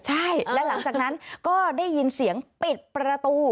ใช่และหลังจากนั้นก็ได้ยินเสียงปิดประตู